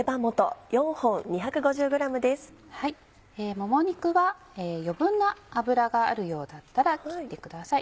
もも肉は余分な脂があるようだったら切ってください。